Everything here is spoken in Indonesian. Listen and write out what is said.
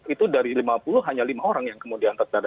itu dari lima puluh hanya lima orang yang kemudian terdata